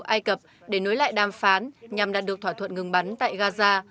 ai cập để nối lại đàm phán nhằm đạt được thỏa thuận ngừng bắn tại gaza